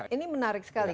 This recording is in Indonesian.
ini menarik sekali